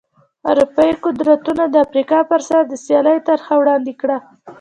اروپايي قدرتونو د افریقا پر سر د سیالۍ طرحه وړاندې کړه.